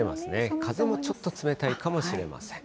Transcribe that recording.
風もちょっと冷たいかもしれません。